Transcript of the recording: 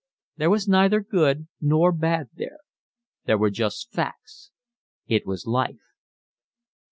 There was neither good nor bad there. There were just facts. It was life.